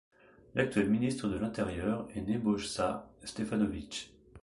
L'actuel ministre de l'Intérieur est Nebojša Stefanović.